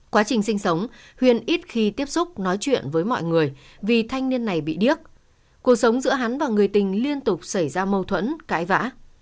quá trình sinh sống huyền ít khi tiếp xúc nói chuyện với mọi người vì thanh niên này bị điếc cuộc sống giữa hắn và người tình liên tục xảy ra mâu thuẫn cãi vã